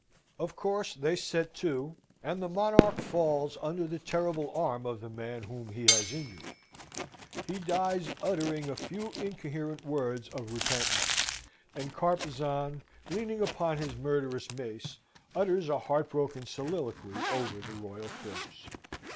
Of course they set to, and the monarch falls under the terrible arm of the man whom he has injured. He dies, uttering a few incoherent words of repentance, and Carpezan, leaning upon his murderous mace, utters a heartbroken soliloquy over the royal corpse.